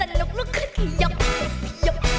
ไหนเล่าสิมันเกิดอะไรขึ้น